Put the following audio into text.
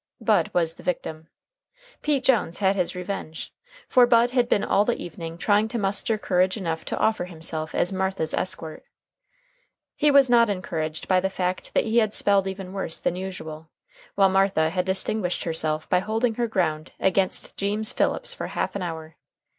Bud was the victim. Pete Jones had his revenge. For Bud had been all the evening trying to muster courage enough to offer himself as Martha's escort. He was not encouraged by the fact that he had spelled even worse than usual, while Martha had distinguished herself by holding her ground against Jeems Phillips for half an hour.